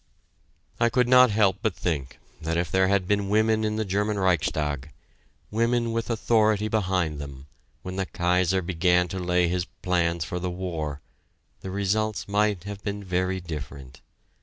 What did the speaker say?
I could not help but think that if there had been women in the German Reichstag, women with authority behind them, when the Kaiser began to lay his plans for the war, the results might have been very different.